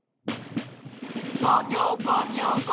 ごにょごにょごにょ。